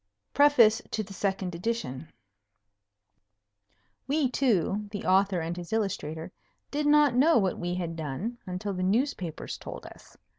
PREFACE TO THE SECOND EDITION We two the author and his illustrator did not know what we had done until the newspapers told us.